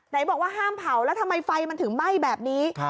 ไหนบอกว่าห้ามเผาแล้วทำไมไฟมันถึงไหม้แบบนี้